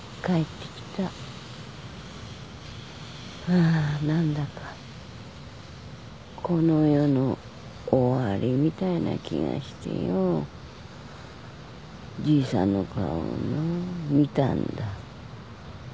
はぁ何だかこの世の終わりみたいな気がしてよじいさんの顔をよ見たんだ。